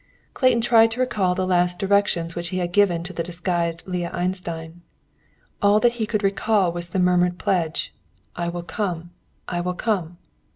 Clayton tried to recall the last directions which he had given to the disguised Leah Einstein. All that he could recall was the murmured pledge, "I will come, I will come!"